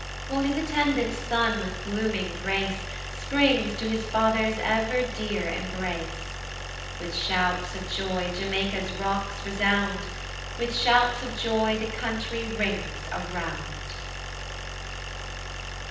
While his attendant son with blooming grace Springs to his father's ever dear embrace. With shouts of joy Jamaica's rocks resound, With shouts of joy the country rings around.